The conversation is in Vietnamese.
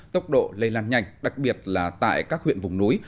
tốc độ lây lan nhanh đặc biệt là tại các huyện vùng núi